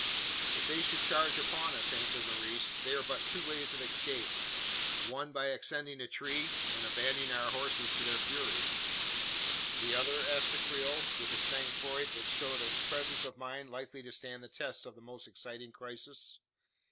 "If they should charge upon us," answered Maurice, "there are but two ways of escape. One, by ascending a tree, and abandoning our horses to their fury." "The other?" asked the Creole, with a sang froid that showed a presence of mind likely to stand the test of the most exciting crisis.